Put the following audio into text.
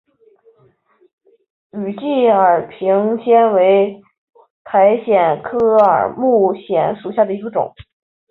羽枝耳平藓为蕨藓科耳平藓属下的一个种。